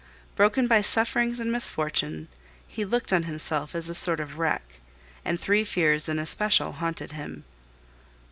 Broken by sufferings and misfortune, he looked on himself as a sort of wreck, and three fears in especial haunted him.